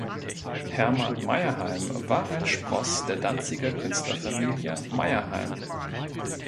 Hermann Meyerheim war ein Spross der Danziger Künstlerfamilie Meyerheim.